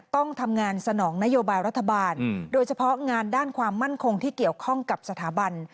ต้องทำงานสนองนโยบายรัฐบาลโดยเฉพาะงานด้านความมั่นคงที่เกี่ยวข้องกับสถาบัน